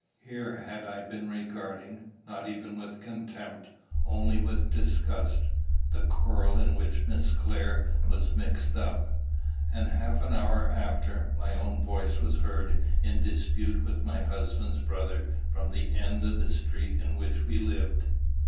Here had I been regarding, not even with contempt, only with disgust, the quarrel in which Miss Clare was mixed up; and half an hour after, my own voice was heard in dispute with my husband's brother from the end of the street in which we lived!